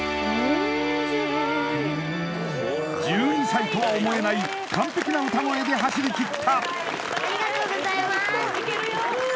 １２歳とは思えない完璧な歌声で走りきった！